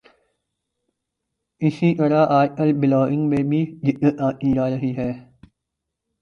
اسی طرح آج کل بلاگنگ میں بھی جدت آتی جارہی ہے